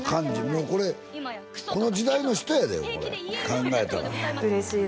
もうこれこの時代の人やでこれ考えたら嬉しいです